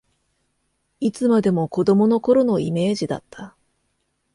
いつまでも子どもの頃のイメージだった